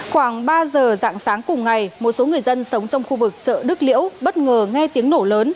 khoảng ba giờ dạng sáng cùng ngày một số người dân sống trong khu vực chợ đức liễu bất ngờ nghe tiếng nổ lớn